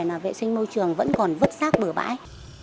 là vệ sinh môi trường vẫn còn vứt sát bửa bãi